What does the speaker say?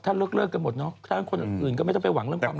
ถ้าเลิกกันหมดเนอะถ้าคนอื่นก็ไม่ต้องไปหวังเรื่องความรัก